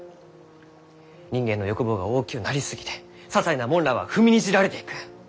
人間の欲望が大きゅうなりすぎてささいなもんらあは踏みにじられていく。